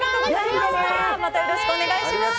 またよろしくお願いします。